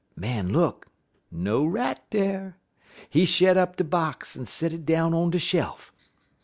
"Man look; no rat dar. He shet up de box, en set it down on de shel uf.